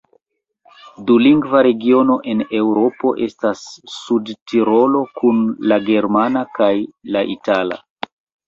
Dulingva regiono en Eŭropo estas Sudtirolo, kun la germana kaj la itala.